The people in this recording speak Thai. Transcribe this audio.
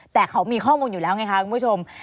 แต่เขามีข้อมูลอยู่แล้วไงคะคุณผู้ชม